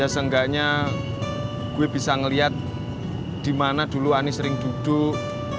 seenggaknya gue bisa ngeliat dimana dulu ani sering duduk